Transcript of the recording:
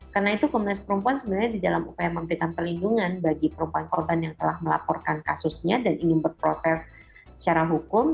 karena itu komnas perempuan sebenarnya di dalam upaya memberikan pelindungan bagi perempuan korban yang telah melaporkan kasusnya dan ingin berproses secara hukum